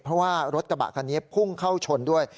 เพราะว่ารถกระบะคันนี้พุ่งเข้าชนด้วย